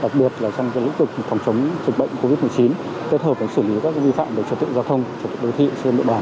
đặc biệt là trong lĩnh vực phòng chống dịch bệnh covid một mươi chín kết hợp với xử lý các vi phạm về trật tự giao thông trật tự đô thị trên địa bàn